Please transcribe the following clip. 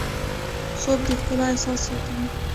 خوب د ښکلا احساس زیاتوي